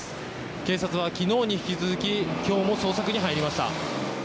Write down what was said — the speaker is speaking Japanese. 警察は、きのうに引き続ききょうも捜索に入りました。